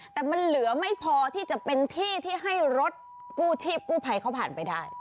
แต่มันเหลือไม่พอที่จะเป็นที่ที่ให้รถกู้ชีพกู้ภัยเขาผ่านไปได้